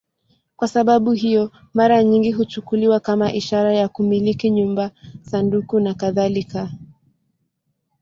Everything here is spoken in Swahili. Kwa sababu hiyo, mara nyingi huchukuliwa kama ishara ya kumiliki nyumba, sanduku nakadhalika.